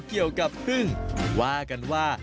เกี่ยวกับพึ่งว่ากันว่า